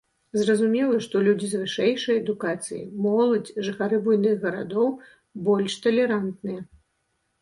Зразумела, што людзі з вышэйшай адукацыяй, моладзь, жыхары буйных гарадоў больш талерантныя.